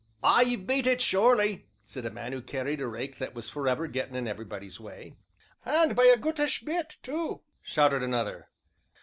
"Ay, 'e've beat it, sure ly," said a man who carried a rake that was forever getting in everybody's way. "An' by a goodish bit to!" shouted another.